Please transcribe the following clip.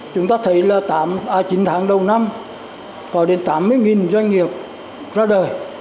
chúng ta thấy là chín tháng đầu năm có đến tám mươi doanh nghiệp ra đời